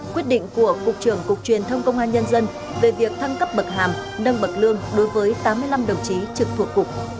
quyết định của cục trưởng cục truyền thông công an nhân dân về việc thăng cấp bậc hàm nâng bậc lương đối với tám mươi năm đồng chí trực thuộc cục